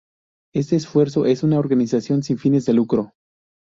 Este esfuerzo es una organización sin fines de lucro.